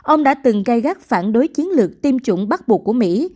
ông đã từng gây gắt phản đối chiến lược tiêm chủng bắt buộc của mỹ